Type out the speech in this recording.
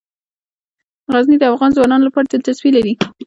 غزني د افغان ځوانانو لپاره دلچسپي لري.